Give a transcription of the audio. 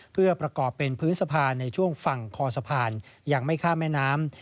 เพื่อประกอบเป็นพื้นสะพานในช่วงฝั่งคอสะพานยังไม่ข้ามแม่น้ำ